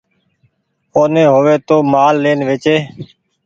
او ني هووي تو مآل لين ويچي۔